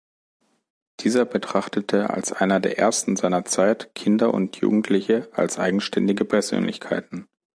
Dieser betrachtete als einer der ersten seiner Zeit Kinder und Jugendliche als eigenständige Persönlichkeiten.